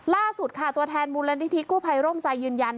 ล่าสุดค่ะตัวแทนมูลนิธิกู้ภัยร่มไซดยืนยัน